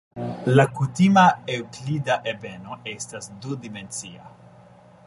La kutima eŭklida ebeno estas du-dimensia.